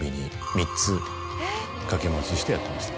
３つ掛け持ちしてやってました。